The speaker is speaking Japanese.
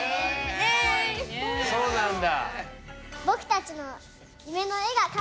そうなんだ。